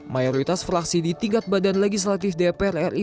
mayoritas fraksi di tingkat badan legislatif dpr ri